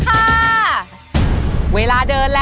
ขอบคุณมากค่ะ